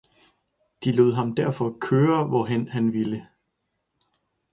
De lod ham derfor køre, hvorhen han ville.